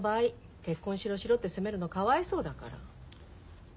結婚しろしろって責めるのかわいそうだから。